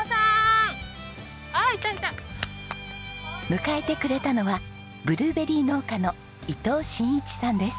迎えてくれたのはブルーベリー農家の伊藤新一さんです。